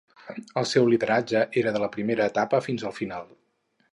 El seu lideratge era de la primera etapa fins al final.